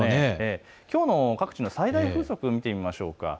きょうの各地の最大風速を見てみましょう。